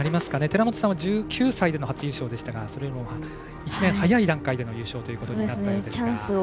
寺本さんは１９歳での初優勝でしたがそれよりも１年早い段階の優勝になったそうですが。